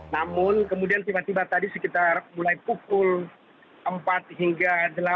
namun kemudian tiba tiba tadi sekitar mulai pukul empat hingga delapan